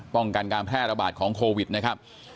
ป้องกันการแพร่ระบาดของโควิดนะครับ